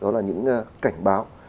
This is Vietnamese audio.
đó là những cảnh báo